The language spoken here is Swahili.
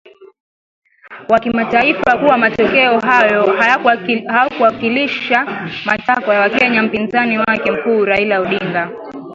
wa kimataifa kuwa matokeo hayo hayakuwakilisha matakwa ya Wakenya Mpinzani wake mkuu Raila Odinga